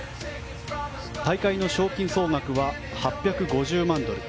大会の賞金総額は８５０万ドル